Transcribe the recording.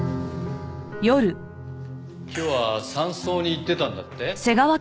今日は山荘に行ってたんだって？